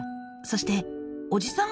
そしておじさん